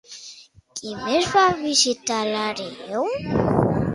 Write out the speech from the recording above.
Qui més va visitar l'hereu?